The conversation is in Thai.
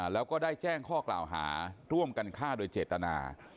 แล้วก็ได้แจ้งข้อกล่าวหาร่วมกันฆ่าโดยเจตนา